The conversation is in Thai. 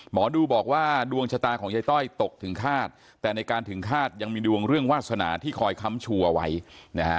หมอดูบอกว่าดวงชะตาของยายต้อยตกถึงคาดแต่ในการถึงคาดยังมีดวงเรื่องวาสนาที่คอยค้ำชูเอาไว้นะฮะ